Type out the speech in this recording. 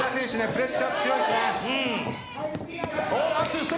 プレッシャー強いですね。